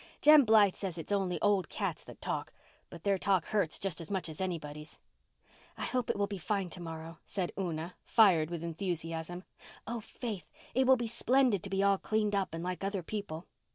Jem Blythe says it's only old cats that talk, but their talk hurts just as much as anybody's." "I hope it will be fine to morrow," said Una, fired with enthusiasm. "Oh, Faith, it will be splendid to be all cleaned up and like other people."